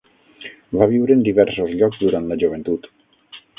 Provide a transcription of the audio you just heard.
Va viure en diversos llocs durant la joventut.